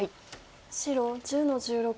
白１０の十六。